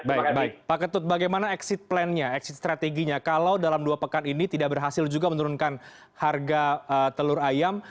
baik baik pak ketut bagaimana exit plan nya exit strateginya kalau dalam dua pekan ini tidak berhasil juga menurunkan harga telur ayam